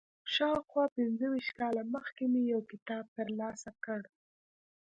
شاوخوا پنځه ویشت کاله مخکې مې یو کتاب تر لاسه کړ.